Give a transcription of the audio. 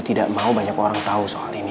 tidak mau banyak orang tahu soal ini